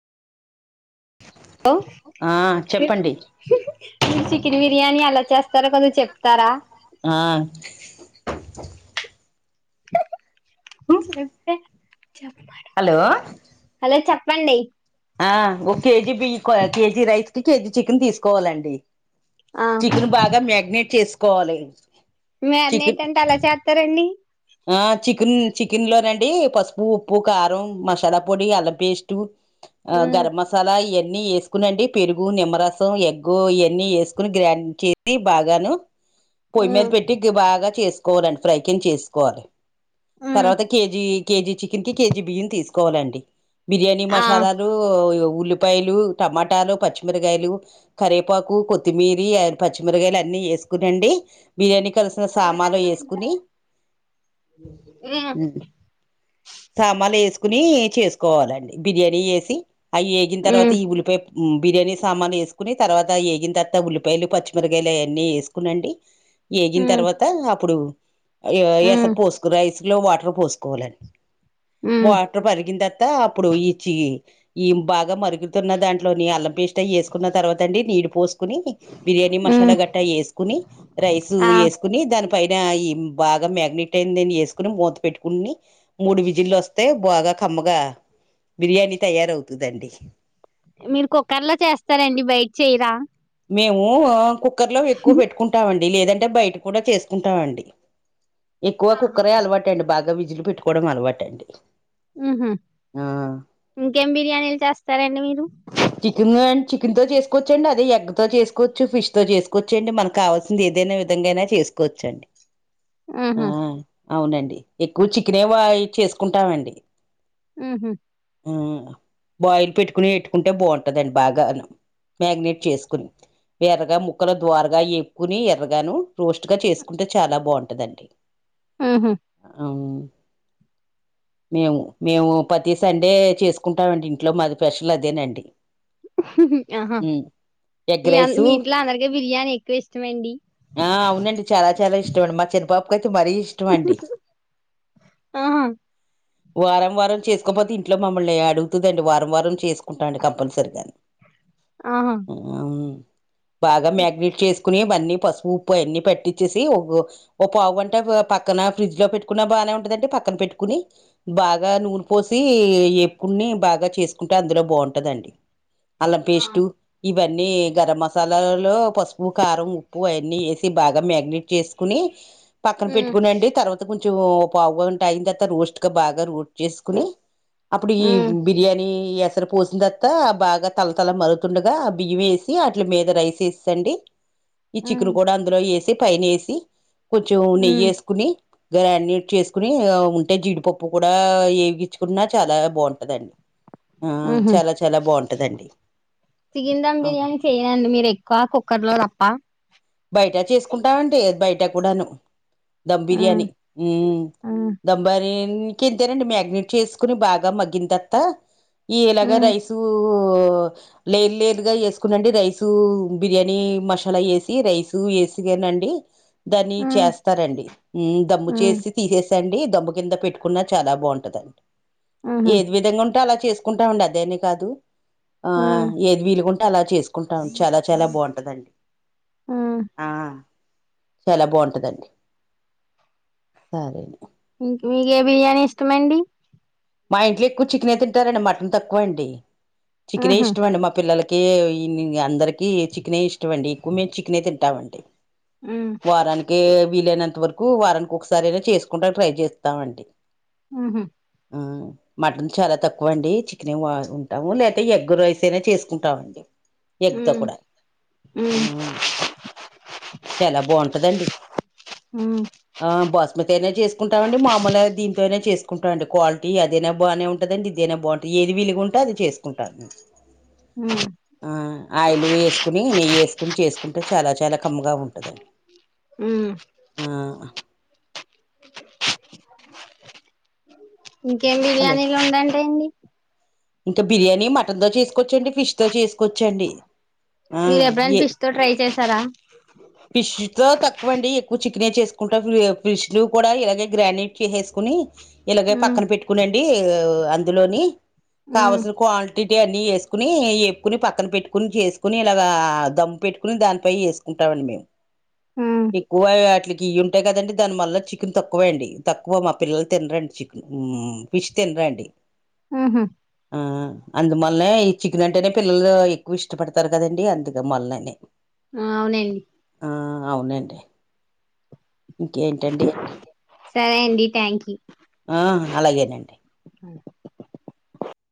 ఆ హలో చెప్పండి మీ చికెన్ బిర్యానీ అలా చేస్తారా కొద్దిగా చెప్తారా ఆ బ హలో హలో చప్ పండి ఆ ఓ కేజీ బి కొ కేజీ రైస్ కి కేజీ చికెన్ తీసుకోవాలండి ఆ చికెన్ బాగా మ్యాగ్నేట్ చేసుకోవాలి చికెన్ మ్యాగ్నేట్ అంటే అలా చేత్తారండి ఆ చికిన్ చికిన్ లోనండి పసుపు ఉప్పు కారం మషాలా పొడి అల్లం పేష్టు ఆ ఉమ్ గరం మసాలా ఇయన్ అన్నీ వేసుకునండి పెరుగు నిమ్మరసం ఎగ్గు ఇయన్నీ వేసుకుని గ్రైండ్ చేసి బాగాను పొయ్యి మీద ఉమ్ పెట్టి బాగా చేసు కోరన్ ఫ్రైకిన్ చేస్ కోవాలి ఉమ్ తర్వాత కేజీ కేజీ చికిన్ కి కేజీ బియ్యం తీస్ కోవాలండి బిర్యానీ ఆ మషాలాలు ఉల్లిపాయలు టమాటాలు పచ్చిమిరగాయలు కరేపాకు కొత్తిమీరి [unintelligible] పచ్చిమిరగాయలు అన్నీ ఏసుకునండి బిర్యానీ కలిసిన సామానులు ఏసుకుని ఉమ్ ఉమ్ సామాలు వేసుకుని చేసుకోవాలండి బిర్యానీ ఏసి అయ్యేగిన తర్వాత ఈ ఉల్లిపాయ్ బిర్యానీ సామాను వేసుకుని తర్వాత ఏగిన తర్త ఉల్లిపాయలు పచ్చిమిరగాయలు అయన్నీ వేసుకునండి ఏగిన ఉమ్ తర్వాత అప్పుడు ఉమ్ అయోఎస్ రైస్ లో వాటర్ పోసుకోవాలన్ ఉమ్ వాటర్ మరిగింతర్త అప్పుడు ఈచ్చి ఈ బాగా మరుగుతున్న దాంట్లోని అల్లం పేస్ట్ అయి వేసుకున్న తర్వాత అండి నీళ్ళు పోస్ కొని బిర్యానీ ఉమ్ మషాలా గట్ట ఏసుకోని రైస్ ఆ ఏసుకుని దాని పైన ఈ బాగా మ్యాగ్నెట్ ట్టెందని వేసుకుని మూత పెట్టుకుని మూడు విజిలు వస్తే బాగా కమ్మగా బిర్యానీ తయారవుతుందండి మీరు కుక్కర్లో చేస్తారండి బయట చెయరా మేము కు క్కర్లో ఎక్కువ పెట్టుకుంటామండ్ లేదంటే బయట కూడా చేసుకుంటామండి ఎక్కువ కుక్కరే అలవాటు అండి బాగా గా విజులు పెట్టుకోవడం అలవాటు అండి ఊహూ ఆ ఇంకేం బిర్యానీలు చేస్తారండి మీరు చికెన్ చికెన్ తో చేసుకోవచ్చండి అదే ఎగ్ తో చేసుకోవచ్చు ఫిష్ తో చేసుకోవచ్చు అండి మనకు కావాల్సింది ఏదైనా విధంగా అయినా చేసుకోవచ్చండి ఆ ఆహా అవునండి ఎక్కువ చికనే వా చేసుకుంటామండి ఊహు హ్మ్ బాయిల్ పెట్టుకుని పెట్టుకుంటే బాగుంటుందండి బాగాను మ్యారినేట్ చేసుకుని ఎర్రగా ముక్కల దోరగా ఏపుకుని ఎర్రగాను రోస్ట్గా చేసుకుంటే చాలా బావుంటదండి ఉహు అవు మేము మేము పతీ సండే చేసుకుంటామండి ఇంట్లో మాది స్పెషల్ అదేనండి ఆహా ఉమ్, ఎగ్ రైస్ మీ ఇంట్లో అందరికి బిర్యానీ ఎక్కువ ఇష్టమండి ఆ అవునండి చాలా చాలా ఇష్టమండి మా చిన్ పాప కై త్ మరీ ఇష్టమండి ఆహా వారం వారం చేసుకపోతే ఇంట్లో మ్మమ్ మళ్ళీ అడుగుతుదండి వారం వారం చేసు నుకుంటాం అండి తప్పనిసరిగా ఆహా హ్మ్ బాగా మ్యాగ్నేట్ చేసి కుని ఇవన్నీ పసుపు ఉప్పు అవన్నీ పట్టించేసి ఓ పావుగంట పక్కన ఫ్రిడ్జ్ లో పెట్టుకున్న బానే ఉంటదండి పక్కన పెట్టుకుని బాగా నూనె పోసి ఏపుకుని బాగా చేసుకుంటే అందులో బావుంటదండి అల్లం పేస్టు ఇవన్నీ గరం మసాలాలలో పసుపు కారం ఉప్పు అయిన్ని వేస్ బాగా మ్యాగ్నెట్ చేసుకుని పక్కన మ్మ్ పెట్టుకునండి తర్వాత కొం కొంచెం పావుగంట అయిన తర్వాత రోస్ట్గా బాగా రోస్ట్ చేసుకుని అప్పుడు ఈ బిర్యానీ ఈ ఎసరు పోసిందత్తా బాగా తలతల మరుగుతుండగా బియ్యమేసి అట్లి మీద రైస్ వేసేసండి ఈ చికెన్ మ్మ్ కూడా అందులో ఏస్ సి పైనేసి కొంచెం మ్మ్ నెయ్యేసుకుని గ్రానైట్ చేసుకుని ఉంటే జీడిపప్పు కూడా ఏవిగిచ్చుకున్నా చాలా బాగుంటదండి ఆ మ్హూ చాలా చాలా బాగుంటదండి చికెన్ దమ్ అవును బిర్యానీ చేయ్యనండి మీరు ఎక్కువ కుక్కర్ లో తప్ప బయట చేసుకుంటావంటే బయట కూడాను ధమ్ మ్మ్ బిర్యానీ ఊమ్ మ్మ్ దమ్బారి ఇంకేం తినండి మ్యాగినేట్ చేసుకుని బాగా మగ్గిన తర్వాత ఈ ఇలాగ మ్మ్ రైసూ ఒ లేటు లేటుగా ఎ కుసుకుండి రైసూ బిర్యాని మసాలా వేసి రైస్ వేసిగానండి దాని మ్మ్ చేస్తారండి ఉ దమ్ము చేసి తీసేసాండి దమ్ము కింద పెట్టుకున్నా చాలా బాగుంటదండి మ్మ్ మ్హూ ఏది విధంగా ఉంటా అలా చేసుకుంటామండి అదేనే కాదు ఆ మ్మ్ ఏది వీలు అలా చేసుకుంటాం చాలా చాలా బాగుంటదండి మ్మ్ ఆ చాలా బాగుంటదండి సరే ఇంగ ఇంక మీక ఏ బిర్యానీ ఇష్టమండి మా ఇంట్లో ఎక్కువ చికెన్ అయి తింటారండి మటన్ తక్కువ అండి చికెనే మ్హూ ఇష్టమండి మా పిల్లలు కే అందరికి చికెనే ఇష్టంమండి ఎక్కువ మేము చికెనే తింటామండి మ్మ్ వారానికి వీలైన అంత వరకు వారానికి ఒకసారి ఇగ చేసుకుంటా ట్రై చేస్తామండి ఉహు ఆ మటన్ చాలా తక్కువ అండి చికెనే తింటాము లేదే ఎగ్ రైస్ తినే చేసుకుంటామండి ఎగ్తో మ్మ్ కూడా ఉ మ్మ్ చాలా బాగుంటదండి మ్మ్ ఆ బస్మతి నేనే చేసుకుంటామండి మామలుగా దీంతో అయినా చేసుకుంటామండి క్వాలిటీ తి అదేనా బానే ఉంటది అండి ఇదేనా బాగుంటది ఏది విలుగా ఉంటే అది చేసుకుంటాను మ్మ్ ఆ ఆయిలు వేసుకుని నెయ్యేసు కుని చేసుకుంటే చాలా చాలా కమ్గా ఉంటదండి మ్మ్ ఆ ఇంకేం హలో బిర్యానీలు ఉండంటా అండి ఇంకా బిర్యానీ మటన్ తో చేసుకోవచ్చండి ఫిష్ తో చేసుకోవచ్చండి ఆ మీరు ఎప్పుడైనా ఫిష్ తో ట్రై చేస్ తార ఫిష్‌తో తక్వండి ఎక్కువ చక్ క్నే చేసుకుంటా ఫ్రిజ్లు కూడా ఇలాగే గ్రానిట్ చేసేసుకుని ఇలాగే మ్మ్ పక్కన పెట్టుకునిండి అండీ అందులోని మ్మ్ కావల్సిన క్వాంటి ఇటి అన్నీ వేసుకుని ఏపుకొని పక్కన పెట్టుకుని చేసుకుని ఇలాగ దమ్ పెట్టుకుని దానిపై వేసుకుంటామండి మేము మ్మ్ ఇ కువాకి అట్లికి వేయం ఆంథే కదండి దాని మళ్ళ చికెన్ తక్కువే అండి తక్కువ మా పిల్లలు తినరండి చికెన్ ఫిష్ తినరండి ఉహుమ్ ఆ అందు మళ్లనే ఈ చికనంటేనే పిల్లలు ఎక్కువ ఇష్టపడతారు కదండి అందుక మళ్ళనే అవునండి ఆ అవునండి ఇంకేంటండి సరే అండి థ్యాంక్ యూ ఆ అలాగేనండి